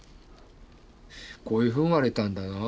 こういうふうに割れたんだな。